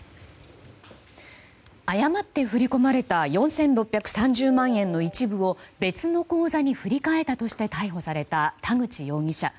誤って振り込まれた４６３０万円の一部を別の口座に振り替えたとして逮捕された田口容疑者。